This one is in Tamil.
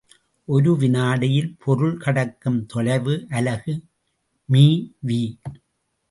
ஒரு வினாடியில் பொருள் கடக்கும் தொலைவு அலகு மீ வி.